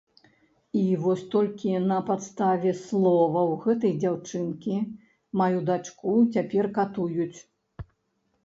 І вось толькі на падставе словаў гэтай дзяўчынкі маю дачку цяпер катуюць.